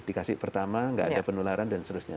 dikasih pertama nggak ada penularan dan seterusnya